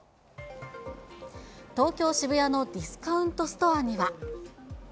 東京・渋谷のディスカウントストアには。